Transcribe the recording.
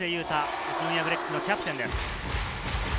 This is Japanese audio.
宇都宮ブレックスのキャプテンです。